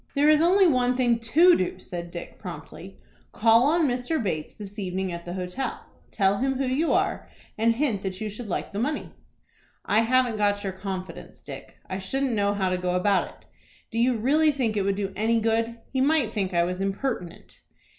"There is only one thing to do," said Dick, promptly. "Call on Mr. Bates this evening at the hotel. Tell him who you are, and hint that you should like the money." "I haven't got your confidence, Dick. I shouldn't know how to go about it. Do you really think it would do any good? He might think I was impertinent."